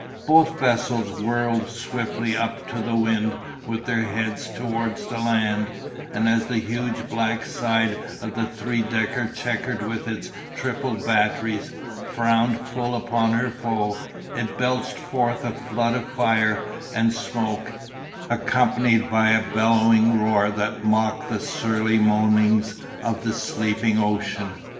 Both vessels whirled swiftly up to the wind, with their heads towards the land; and as the huge black side of the three decker checkered with its triple batteries, frowned full upon her foe, it belched forth a flood of fire and smoke, accompanied by a bellowing roar that mocked the surly moanings of the sleeping ocean.